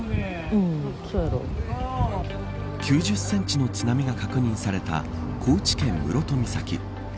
９０センチの津波が確認された高知県室戸岬。